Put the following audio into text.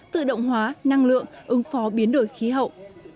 tự động hóa năng lượng ứng phó biến đổi khí hậu